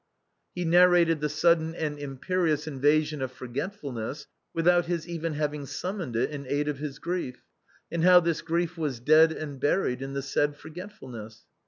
He narrated the sudden and imperious invasion of forgetfulness, with out his even having summoned it in aid of his grief, and how this grief was dead and buried in the said forgetful ness.